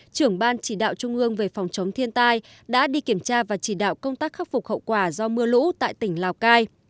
trưởng ban chỉ đạo trung ương về phòng chống thiên tai đã đi kiểm tra và chỉ đạo công tác khắc phục hậu quả do mưa lũ tại tỉnh lào cai